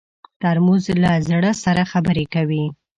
ترموز له زړه سره خبرې کوي.